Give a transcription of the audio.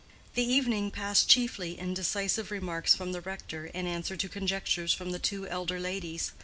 The evening passed chiefly in decisive remarks from the rector, in answer to conjectures from the two elder ladies.